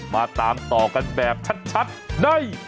มาตามต่อกันแบบชัดใน